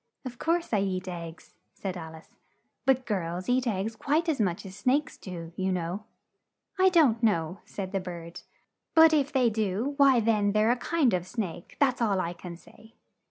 "Of course I eat eggs," said Al ice, "but girls eat eggs quite as much as snakes do, you know." "I don't know," said the bird, "but if they do, why then they're a kind of snake, that's all I can say."